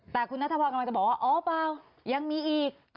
แต่คุณนัทพรกำลังจะบอกว่าอ๋อเปล่ายังมีอีก